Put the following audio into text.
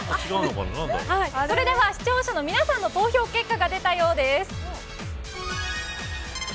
それでは、視聴者の皆さんの投票結果が出たようです。